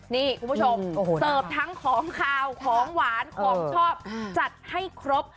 นี่คุณผู้ชมเสิร์ฟทั้งของขาวของหวานของชอบจัดให้ครบ